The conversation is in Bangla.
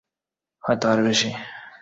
হয়তো আরো বেশি।